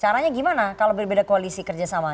caranya gimana kalau berbeda koalisi kerjasama